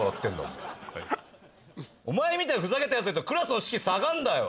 お前はいお前みたいなふざけたやついるとクラスの士気下がんだよ